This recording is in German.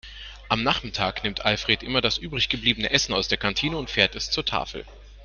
Am Nachmittag nimmt Alfred immer das übrig gebliebene Essen aus der Kantine und fährt es zur Tafel.